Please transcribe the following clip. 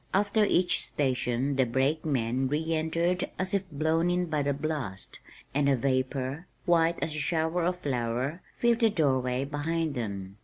After each station the brakemen re entered as if blown in by the blast, and a vapor, white as a shower of flour, filled the door way, behind them.